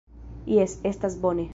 Jes, estas bone.